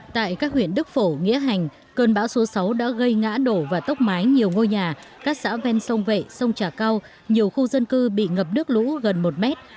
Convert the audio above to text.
tại các huyện đức phổ nghĩa hành cơn bão số sáu đã gây ngã đổ và tốc mái nhiều ngôi nhà các xã ven sông vệ sông trà cao nhiều khu dân cư bị ngập nước lũ gần một mét